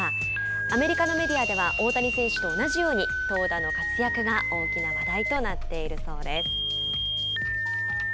アメリカのメディアでは大谷選手と同じように投打の活躍が大きな話題となっているそうです。